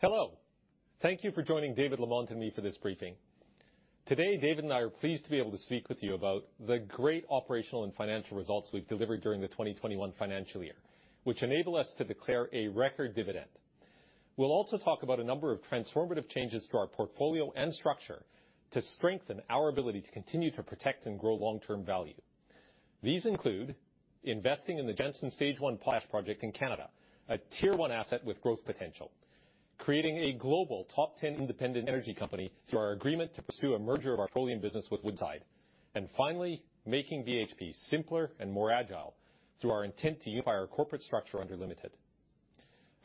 Hello. Thank you for joining David Lamont and me for this briefing. Today, David and I are pleased to be able to speak with you about the great operational and financial results we've delivered during the 2021 financial year, which enable us to declare a record dividend. We'll also talk about a number of transformative changes to our portfolio and structure to strengthen our ability to continue to protect and grow long-term value. These include investing in the Jansen Stage 1 Potash Project in Canada, a tier-1 asset with growth potential, creating a global top 10 independent energy company through our agreement to pursue a merger of our petroleum business with Woodside, and finally, making BHP simpler and more agile through our intent to unify our corporate structure under Limited.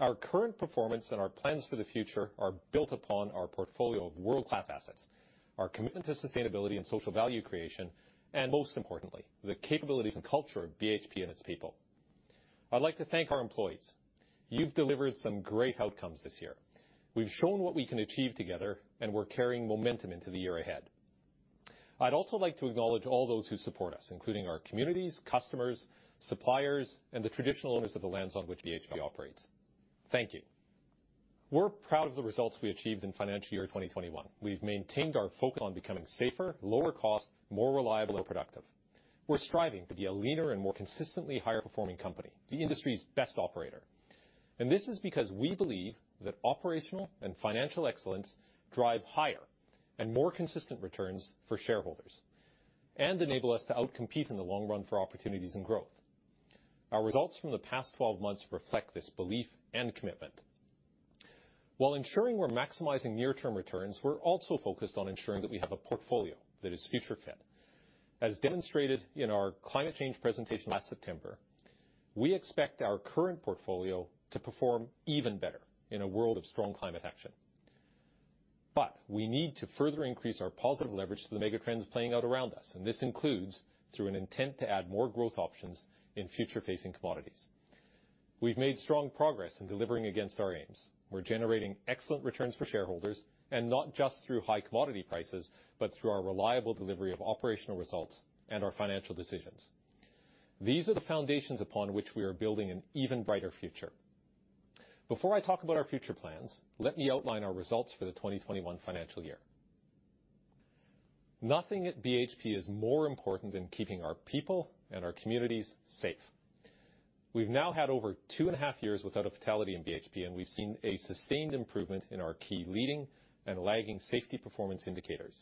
Our current performance and our plans for the future are built upon our portfolio of world-class assets, our commitment to sustainability and social value creation, and most importantly, the capabilities and culture of BHP and its people. I'd like to thank our employees. You've delivered some great outcomes this year. We've shown what we can achieve together, and we're carrying momentum into the year ahead. I'd also like to acknowledge all those who support us, including our communities, customers, suppliers, and the traditional owners of the lands on which BHP operates. Thank you. We're proud of the results we achieved in financial year 2021. We've maintained our focus on becoming safer, lower cost, more reliable, and productive. We're striving to be a leaner and more consistently higher-performing company, the industry's best operator. This is because we believe that operational and financial excellence drive higher and more consistent returns for shareholders and enable us to outcompete in the long run for opportunities and growth. Our results from the past 12 months reflect this belief and commitment. While ensuring we're maximizing near-term returns, we're also focused on ensuring that we have a portfolio that is future-fit. As demonstrated in our climate change presentation last September, we expect our current portfolio to perform even better in a world of strong climate action. We need to further increase our positive leverage to the mega trends playing out around us, and this includes through an intent to add more growth options in future-facing commodities. We've made strong progress in delivering against our aims. We're generating excellent returns for shareholders, and not just through high commodity prices, but through our reliable delivery of operational results and our financial decisions. These are the foundations upon which we are building an even brighter future. Before I talk about our future plans, let me outline our results for the 2021 financial year. Nothing at BHP is more important than keeping our people and our communities safe. We've now had over 2.5 years without a fatality in BHP, and we've seen a sustained improvement in our key leading and lagging safety performance indicators,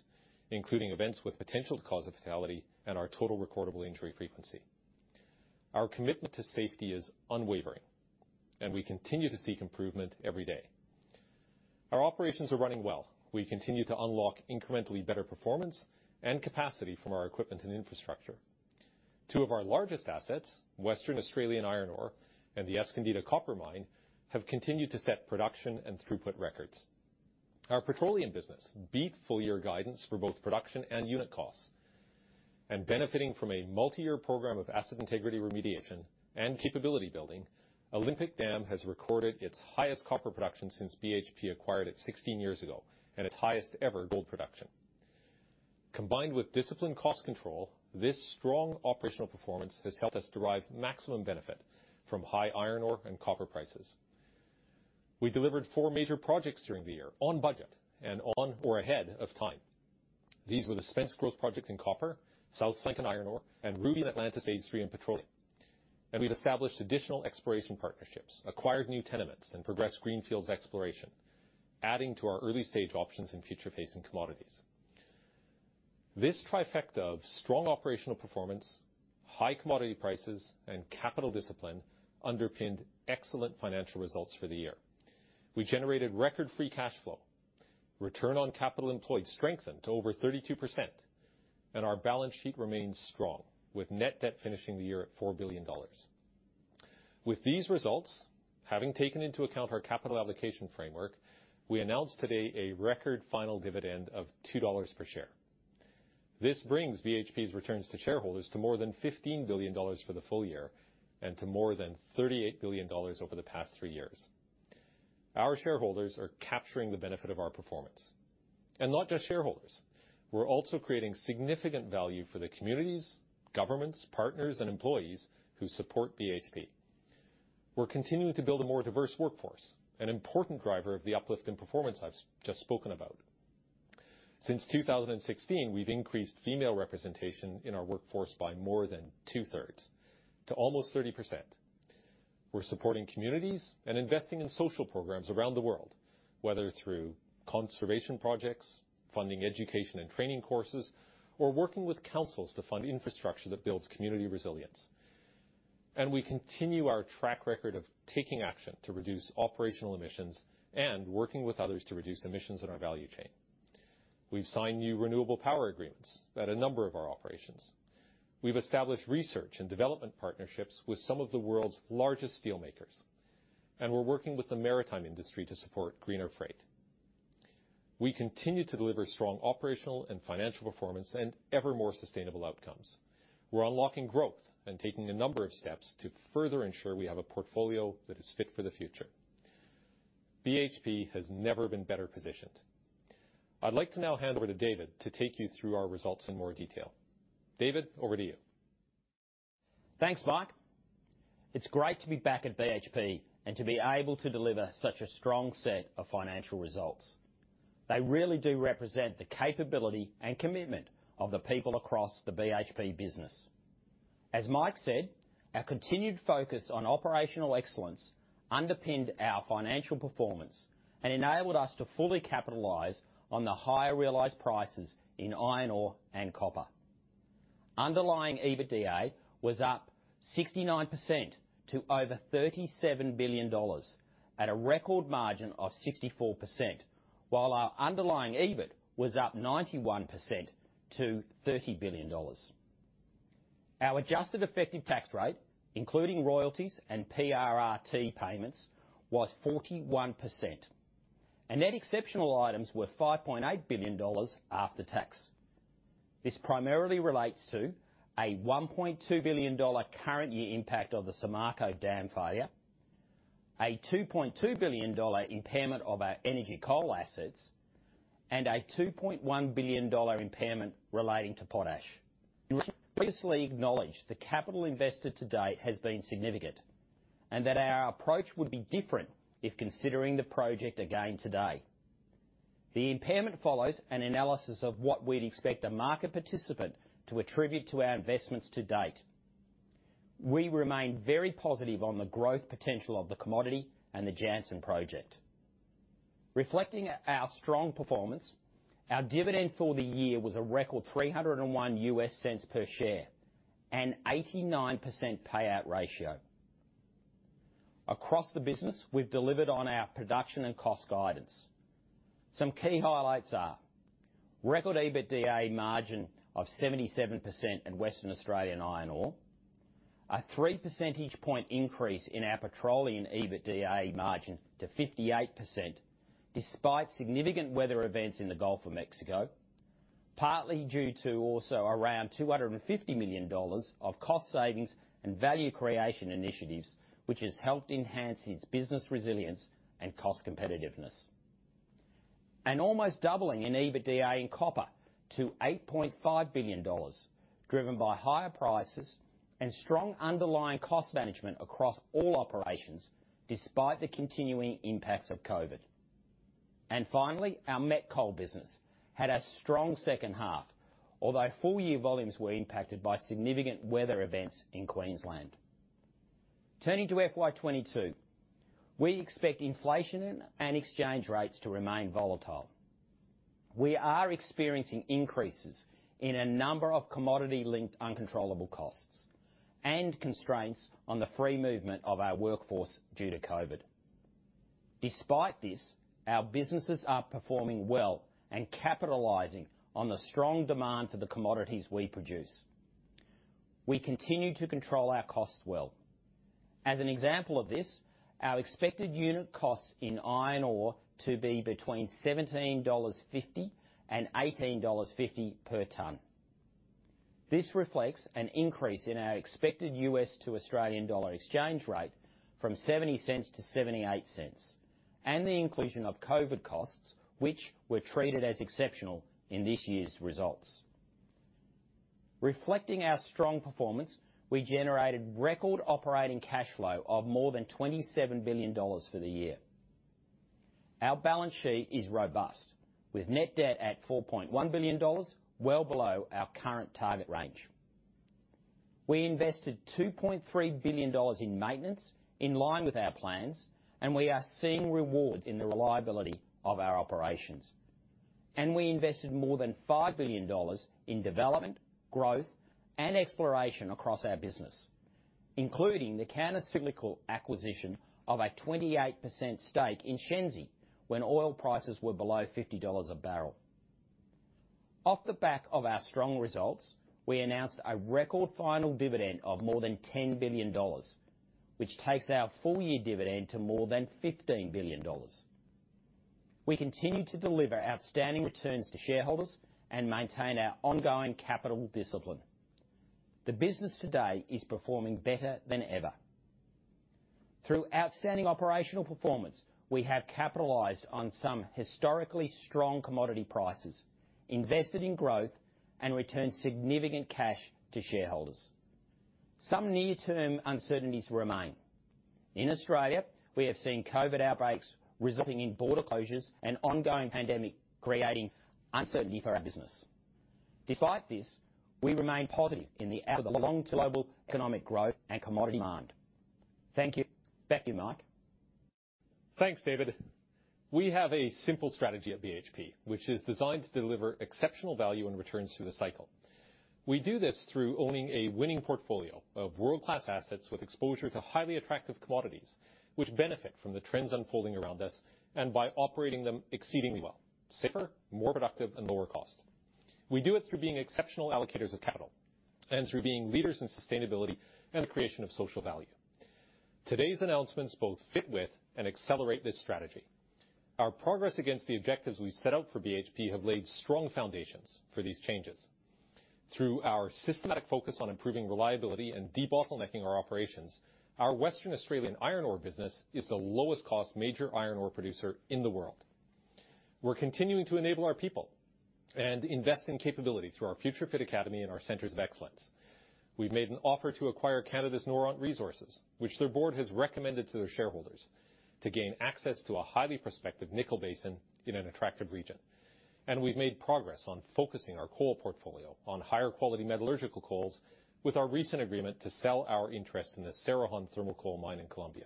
including events with potential to cause a fatality and our total recordable injury frequency. Our commitment to safety is unwavering, and we continue to seek improvement every day. Our operations are running well. We continue to unlock incrementally better performance and capacity from our equipment and infrastructure. Two of our largest assets, Western Australian Iron Ore and the Escondida Copper Mine, have continued to set production and throughput records. Our petroleum business beat full-year guidance for both production and unit costs. Benefiting from a multi-year program of asset integrity remediation and capability building, Olympic Dam has recorded its highest copper production since BHP acquired it 16 years ago and its highest-ever gold production. Combined with disciplined cost control, this strong operational performance has helped us derive maximum benefit from high iron ore and copper prices. We delivered four major projects during the year on budget and on or ahead of time. These were the Spence Growth project in copper, South Flank in iron ore, and Ruby and Atlantis Phase 3 in petroleum. We've established additional exploration partnerships, acquired new tenements, and progressed greenfields exploration, adding to our early-stage options in future-facing commodities. This trifecta of strong operational performance, high commodity prices, and capital discipline underpinned excellent financial results for the year. We generated record free cash flow, return on capital employed strengthened to over 32%, and our balance sheet remains strong with net debt finishing the year at $4 billion. With these results, having taken into account our capital allocation framework, we announced today a record final dividend of $2 per share. This brings BHP's returns to shareholders to more than $15 billion for the full year and to more than $38 billion over the past three years. Our shareholders are capturing the benefit of our performance. Not just shareholders. We're also creating significant value for the communities, governments, partners, and employees who support BHP. We're continuing to build a more diverse workforce, an important driver of the uplift in performance I've just spoken about. Since 2016, we've increased female representation in our workforce by more than 2/3 to almost 30%. We're supporting communities and investing in social programs around the world, whether through conservation projects, funding education and training courses, or working with councils to fund infrastructure that builds community resilience. We continue our track record of taking action to reduce operational emissions and working with others to reduce emissions in our value chain. We've signed new renewable power agreements at a number of our operations. We've established research and development partnerships with some of the world's largest steel makers, and we're working with the maritime industry to support greener freight. We continue to deliver strong operational and financial performance and ever more sustainable outcomes. We're unlocking growth and taking a number of steps to further ensure we have a portfolio that is fit for the future. BHP has never been better positioned. I'd like to now hand over to David to take you through our results in more detail. David, over to you. Thanks, Mike. It's great to be back at BHP and to be able to deliver such a strong set of financial results. They really do represent the capability and commitment of the people across the BHP business. As Mike said, our continued focus on operational excellence underpinned our financial performance and enabled us to fully capitalize on the higher realized prices in iron ore and copper. Underlying EBITDA was up 69% to over $37 billion at a record margin of 64%, while our underlying EBIT was up 91% to $30 billion. Our adjusted effective tax rate, including royalties and PRRT payments, was 41%, and net exceptional items were $5.8 billion after tax. This primarily relates to a $1.2 billion current year impact of the Samarco dam failure, a $2.2 billion impairment of our energy coal assets, and a $2.1 billion impairment relating to Potash. We previously acknowledged the capital invested to date has been significant and that our approach would be different if considering the project again today. The impairment follows an analysis of what we'd expect a market participant to attribute to our investments to date. We remain very positive on the growth potential of the commodity and the Jansen project. Reflecting our strong performance, our dividend for the year was a record $3.01 per share and 89% payout ratio. Across the business, we've delivered on our production and cost guidance. Some key highlights are, record EBITDA margin of 77% in Western Australian Iron Ore, a 3 percentage point increase in our Petroleum EBITDA margin to 58%, despite significant weather events in the Gulf of Mexico, partly due to also around $250 million of cost savings and value creation initiatives, which has helped enhance its business resilience and cost competitiveness. Almost doubling in EBITDA in copper to $8.5 billion, driven by higher prices and strong underlying cost management across all operations, despite the continuing impacts of COVID. Finally, our met coal business had a strong second half, although full-year volumes were impacted by significant weather events in Queensland. Turning to FY 2022. We expect inflation and exchange rates to remain volatile. We are experiencing increases in a number of commodity-linked uncontrollable costs and constraints on the free movement of our workforce due to COVID. Despite this, our businesses are performing well and capitalizing on the strong demand for the commodities we produce. We continue to control our cost well. As an example of this, our expected unit costs in iron ore to be between $17.50 and $18.50 per ton. This reflects an increase in our expected US to Australian dollar exchange rate from $0.70 to $0.78, and the inclusion of COVID costs, which were treated as exceptional in this year's results. Reflecting our strong performance, we generated record operating cash flow of more than $27 billion for the year. Our balance sheet is robust, with net debt at $4.1 billion, well below our current target range. We invested $2.3 billion in maintenance in line with our plans, and we are seeing rewards in the reliability of our operations. We invested more than $5 billion in development, growth, and exploration across our business, including the counter-cyclical acquisition of a 28% stake in Shenzi when oil prices were below $50 a barrel. Off the back of our strong results, we announced a record final dividend of more than $10 billion, which takes our full-year dividend to more than $15 billion. We continue to deliver outstanding returns to shareholders and maintain our ongoing capital discipline. The business today is performing better than ever. Through outstanding operational performance, we have capitalized on some historically strong commodity prices, invested in growth, and returned significant cash to shareholders. Some near-term uncertainties remain. In Australia, we have seen COVID outbreaks resulting in border closures and ongoing pandemic creating uncertainty for our business. Despite this, we remain positive in the long-term global economic growth and commodity demand. Thank you. Back to you, Mike. Thanks, David. We have a simple strategy at BHP, which is designed to deliver exceptional value and returns through the cycle. We do this through owning a winning portfolio of world-class assets with exposure to highly attractive commodities, which benefit from the trends unfolding around us, and by operating them exceedingly well, safer, more productive, and lower cost. We do it through being exceptional allocators of capital and through being leaders in sustainability and the creation of social value. Today's announcements both fit with and accelerate this strategy. Our progress against the objectives we set out for BHP have laid strong foundations for these changes. Through our systematic focus on improving reliability and debottlenecking our operations, our Western Australian iron ore business is the lowest-cost major iron ore producer in the world. We're continuing to enable our people and invest in capability through our FutureFit Academy and our Centers of Excellence. We've made an offer to acquire Canada's Noront Resources, which their board has recommended to their shareholders, to gain access to a highly prospective nickel basin in an attractive region. We've made progress on focusing our coal portfolio on higher quality metallurgical coals with our recent agreement to sell our interest in the Cerrejón thermal coal mine in Colombia.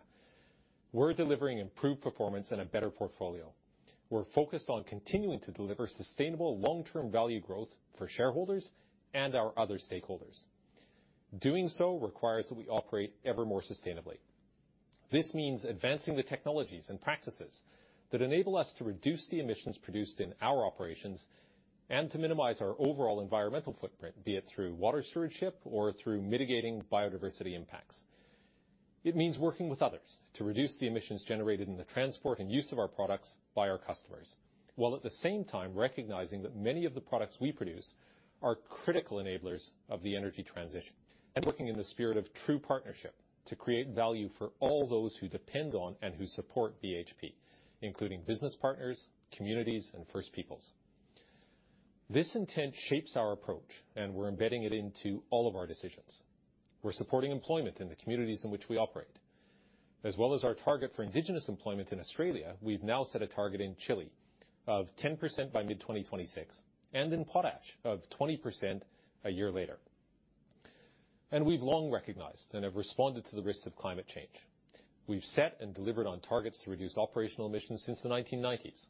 We're delivering improved performance and a better portfolio. We're focused on continuing to deliver sustainable long-term value growth for shareholders and our other stakeholders. Doing so requires that we operate ever more sustainably. This means advancing the technologies and practices that enable us to reduce the emissions produced in our operations and to minimize our overall environmental footprint, be it through water stewardship or through mitigating biodiversity impacts. It means working with others to reduce the emissions generated in the transport and use of our products by our customers, while at the same time recognizing that many of the products we produce are critical enablers of the energy transition, and working in the spirit of true partnership to create value for all those who depend on and who support BHP, including business partners, communities, and First Peoples. This intent shapes our approach, and we're embedding it into all of our decisions. We're supporting employment in the communities in which we operate. As well as our target for indigenous employment in Australia, we've now set a target in Chile of 10% by mid-2026, and in potash of 20% a year later. We've long recognized and have responded to the risks of climate change. We've set and delivered on targets to reduce operational emissions since the 1990s.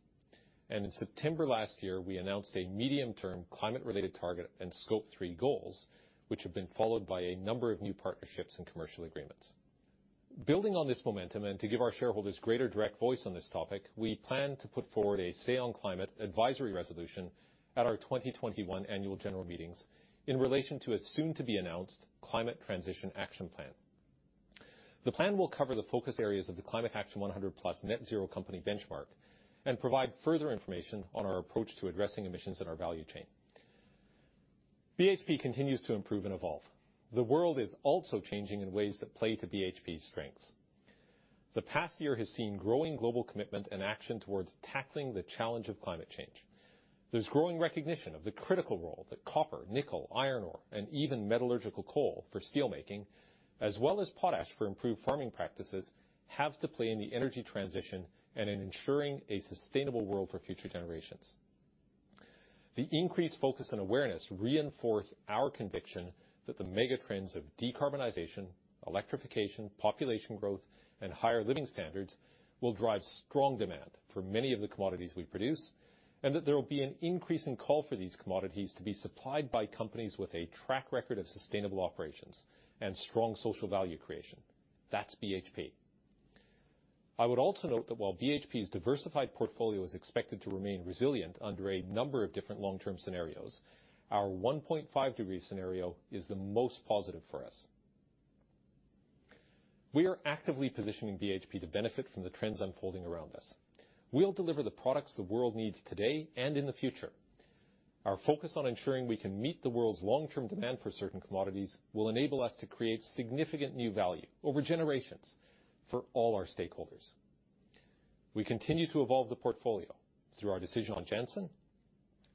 In September last year, we announced a medium-term climate-related target and Scope 3 goals, which have been followed by a number of new partnerships and commercial agreements. Building on this momentum, and to give our shareholders greater direct voice on this topic, we plan to put forward a say on climate advisory resolution at our 2021 Annual General Meetings in relation to a soon-to-be-announced climate transition action plan. The plan will cover the focus areas of the Climate Action 100+ Net Zero company benchmark and provide further information on our approach to addressing emissions in our value chain. BHP continues to improve and evolve. The world is also changing in ways that play to BHP's strengths. The past year has seen growing global commitment and action towards tackling the challenge of climate change. There's growing recognition of the critical role that copper, nickel, iron ore, and even metallurgical coal for steelmaking, as well as potash for improved farming practices, have to play in the energy transition and in ensuring a sustainable world for future generations. The increased focus and awareness reinforce our conviction that the mega trends of decarbonization, electrification, population growth, and higher living standards will drive strong demand for many of the commodities we produce, and that there will be an increasing call for these commodities to be supplied by companies with a track record of sustainable operations and strong social value creation. That's BHP. I would also note that while BHP's diversified portfolio is expected to remain resilient under a number of different long-term scenarios, our 1.5 degree scenario is the most positive for us. We are actively positioning BHP to benefit from the trends unfolding around us. We'll deliver the products the world needs today and in the future. Our focus on ensuring we can meet the world's long-term demand for certain commodities will enable us to create significant new value over generations for all our stakeholders. We continue to evolve the portfolio through our decision on Jansen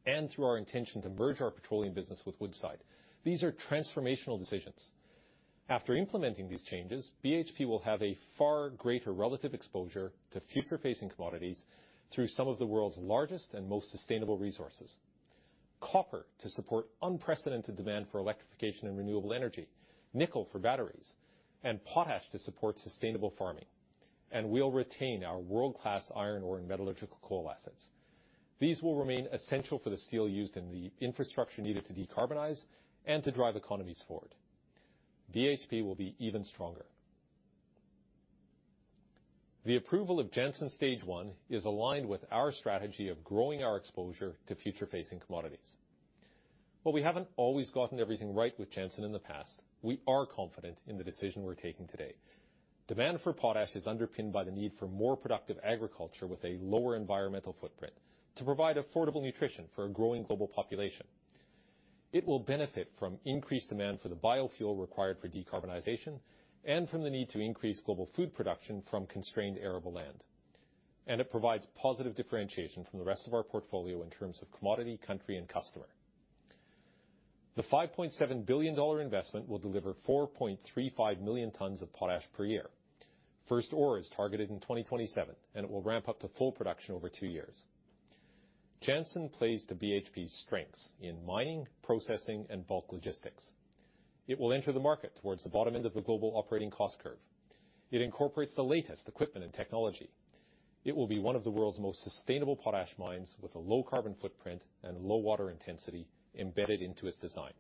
and through our intention to merge our petroleum business with Woodside. These are transformational decisions. After implementing these changes, BHP will have a far greater relative exposure to future-facing commodities through some of the world's largest and most sustainable resources. Copper to support unprecedented demand for electrification and renewable energy, nickel for batteries, and potash to support sustainable farming. We'll retain our world-class iron ore and metallurgical coal assets. These will remain essential for the steel used in the infrastructure needed to decarbonize and to drive economies forward. BHP will be even stronger. The approval of Jansen Stage 1 is aligned with our strategy of growing our exposure to future-facing commodities. While we haven't always gotten everything right with Jansen in the past, we are confident in the decision we're taking today. Demand for potash is underpinned by the need for more productive agriculture with a lower environmental footprint to provide affordable nutrition for a growing global population. It will benefit from increased demand for the biofuel required for decarbonization and from the need to increase global food production from constrained arable land. It provides positive differentiation from the rest of our portfolio in terms of commodity, country, and customer. The $5.7 billion investment will deliver 4.35 million tons of potash per year. First ore is targeted in 2027, and it will ramp up to full production over two years. Jansen plays to BHP's strengths in mining, processing, and bulk logistics. It will enter the market towards the bottom end of the global operating cost curve. It incorporates the latest equipment and technology. It will be one of the world's most sustainable potash mines, with a low carbon footprint and low water intensity embedded into its design.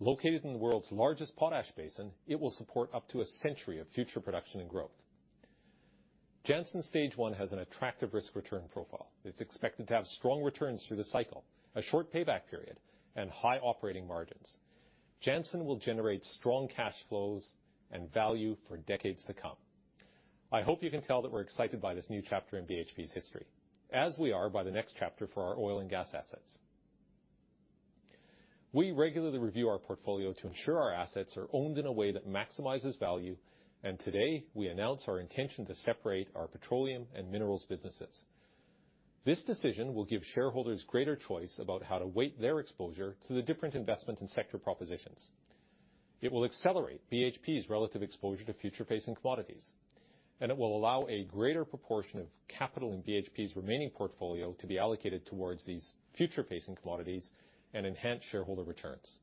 Located in the world's largest potash basin, it will support up to a century of future production and growth. Jansen Stage 1 has an attractive risk-return profile. It's expected to have strong returns through the cycle, a short payback period, and high operating margins. Jansen will generate strong cash flows and value for decades to come. I hope you can tell that we're excited by this new chapter in BHP's history, as we are by the next chapter for our oil and gas assets. We regularly review our portfolio to ensure our assets are owned in a way that maximizes value, and today we announce our intention to separate our petroleum and minerals businesses. This decision will give shareholders greater choice about how to weight their exposure to the different investment and sector propositions. It will accelerate BHP's relative exposure to future-facing commodities, and it will allow a greater proportion of capital in BHP's remaining portfolio to be allocated towards these future-facing commodities and enhance shareholder returns.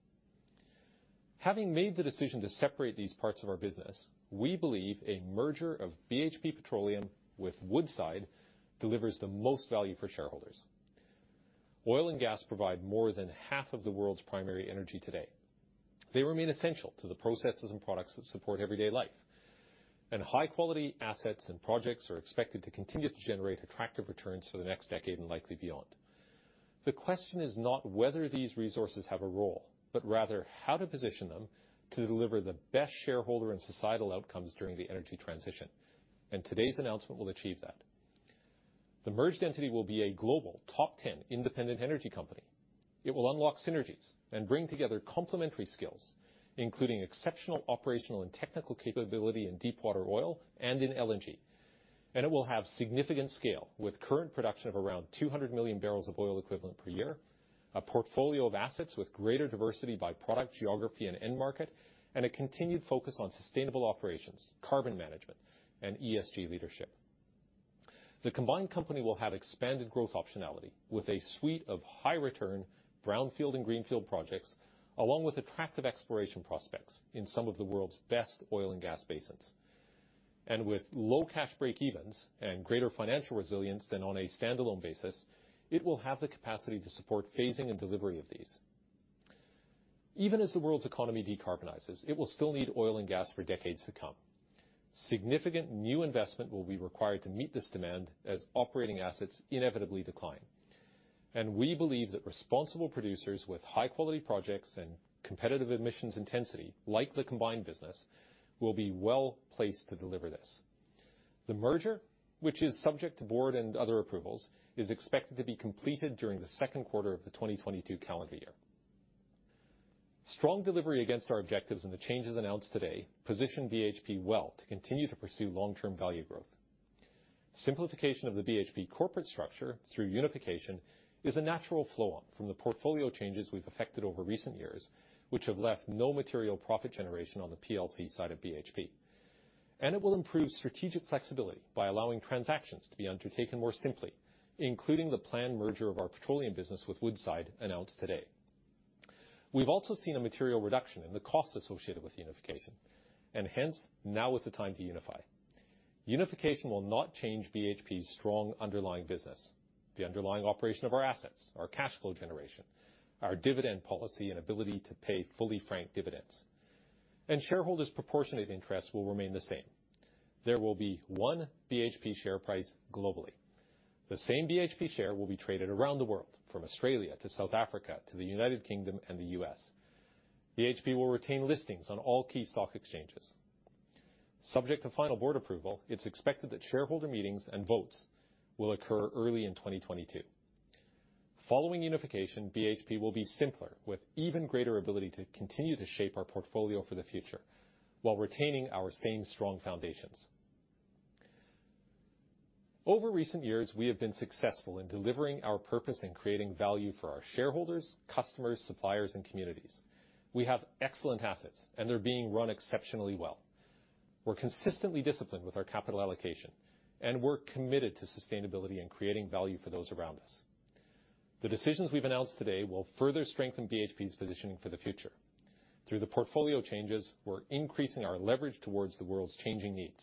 Having made the decision to separate these parts of our business, we believe a merger of BHP Petroleum with Woodside, delivers the most value for shareholders. Oil and gas provide more than half of the world's primary energy today. They remain essential to the processes and products that support everyday life. High-quality assets and projects are expected to continue to generate attractive returns for the next decade and likely beyond. The question is not whether these resources have a role, but rather how to position them to deliver the best shareholder and societal outcomes during the energy transition. Today's announcement will achieve that. The merged entity will be a global top 10 independent energy company. It will unlock synergies and bring together complementary skills, including exceptional operational and technical capability in deepwater oil and in LNG. It will have significant scale, with current production of around 200 million barrels of oil equivalent per year, a portfolio of assets with greater diversity by product, geography, and end market, and a continued focus on sustainable operations, carbon management, and ESG leadership. The combined company will have expanded growth optionality with a suite of high return brownfield and greenfield projects, along with attractive exploration prospects in some of the world's best oil and gas basins. With low cash breakevens and greater financial resilience than on a standalone basis, it will have the capacity to support phasing and delivery of these. Even as the world's economy decarbonizes, it will still need oil and gas for decades to come. Significant new investment will be required to meet this demand as operating assets inevitably decline. We believe that responsible producers with high-quality projects and competitive emissions intensity, like the combined business, will be well-placed to deliver this. The merger, which is subject to Board and other approvals, is expected to be completed during the second quarter of the 2022 calendar year. Strong delivery against our objectives and the changes announced today position BHP well to continue to pursue long-term value growth. Simplification of the BHP corporate structure through unification is a natural flow-on from the portfolio changes we've effected over recent years, which have left no material profit generation on the PLC side of BHP. It will improve strategic flexibility by allowing transactions to be undertaken more simply, including the planned merger of our petroleum business with Woodside announced today. We've also seen a material reduction in the costs associated with unification, and hence, now is the time to unify. Unification will not change BHP's strong underlying business, the underlying operation of our assets, our cash flow generation, our dividend policy, and ability to pay fully franked dividends. Shareholders' proportionate interests will remain the same. There will be one BHP share price globally. The same BHP share will be traded around the world, from Australia to South Africa to the U.K. and the U.S. BHP will retain listings on all key stock exchanges. Subject to final Board approval, it's expected that shareholder meetings and votes will occur early in 2022. Following unification, BHP will be simpler, with even greater ability to continue to shape our portfolio for the future while retaining our same strong foundations. Over recent years, we have been successful in delivering our purpose and creating value for our shareholders, customers, suppliers, and communities. We have excellent assets, and they're being run exceptionally well. We're consistently disciplined with our capital allocation, and we're committed to sustainability and creating value for those around us. The decisions we've announced today will further strengthen BHP's positioning for the future. Through the portfolio changes, we're increasing our leverage towards the world's changing needs.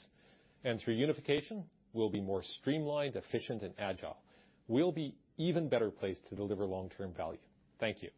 Through unification, we'll be more streamlined, efficient, and agile. We'll be even better placed to deliver long-term value. Thank you.